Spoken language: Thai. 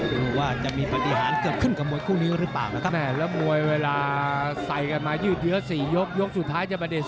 รู้ว่าจะมีปฏิหารเกือบขึ้นกับมวยคู่นี้หรือเปล่านะครับ